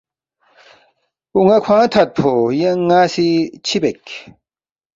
”اون٘ا کھوانگ تھدفو ینگ ن٘ا سی چِہ بیک